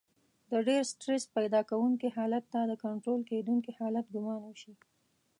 د ډېر سټرس پيدا کوونکي حالت ته د کنټرول کېدونکي حالت ګمان وشي.